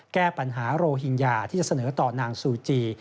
แก้ปัญหาโรหิงญาที่จะเสนอต่อนางซูจี